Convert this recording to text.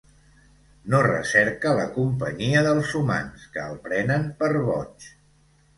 No recerca la companyia dels humans que el prenen per boig.